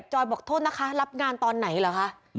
จอยบอกโทษนะคะรับงานตอนไหนเหรอคะ